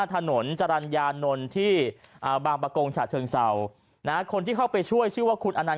ถนนจรรยานนท์ที่บางประกงฉะเชิงเศร้านะคนที่เข้าไปช่วยชื่อว่าคุณอนันต